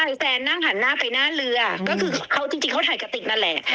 แฟนนั่งหันหน้าไปหน้าเรือก็คือเขาจริงเขาถ่ายกระติกนั่นแหละ